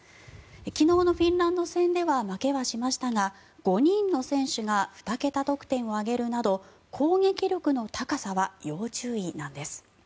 昨日のフィンランド戦では負けはしましたが５人の選手が２桁得点を挙げるなど攻撃力の高さは要注意なんです。